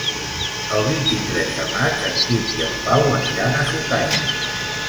El vint-i-tres de maig en Quim i en Pau aniran a Sucaina.